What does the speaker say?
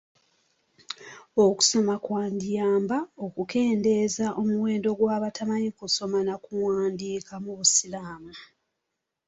Okusoma kwandiyamba okukendeeza omuwendo gw'abatamanyi kusoma na kuwandiika mu busiramu.